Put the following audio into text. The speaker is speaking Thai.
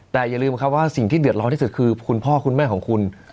แต่อย่าลืมครับว่าสิ่งที่เดือดร้อนที่สุดคือคุณพ่อคุณแม่ของคุณ